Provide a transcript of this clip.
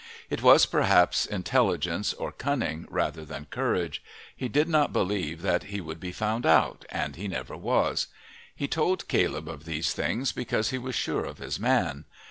It was perhaps intelligence or cunning rather than courage; he did not believe that he would be found out, and he never was; he told Caleb of these things because he was sure of his man.